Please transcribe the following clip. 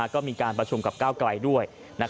ก็มีการประชุมกับก้าวไกลด้วย